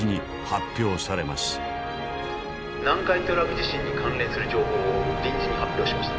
「南海トラフ地震に関連する情報を臨時に発表しました。